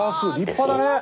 立派だね。